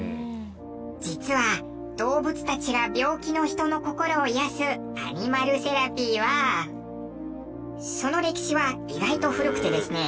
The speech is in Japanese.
実は、動物たちが病気の人の心を癒やすアニマルセラピーはその歴史は意外と古くてですね